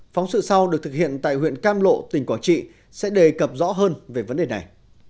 phóng sự sau được thực hiện tại huyện cam lộ tỉnh quảng trị sẽ đề cập rõ hơn về vấn đề này